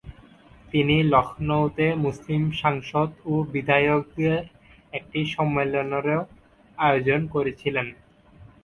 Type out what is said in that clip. তিনি লখনউতে মুসলিম সাংসদ ও বিধায়কদের একটি সম্মেলনেরও আয়োজন করেছিলেন।